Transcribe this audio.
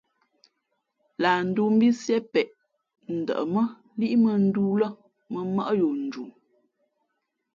Lah ndōō mbí Sié peʼ ndαʼmά líʼ mᾱᾱndōō lά mᾱ mmάʼ yo nju.